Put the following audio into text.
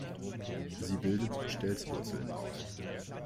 Sie bildet Stelzwurzeln aus.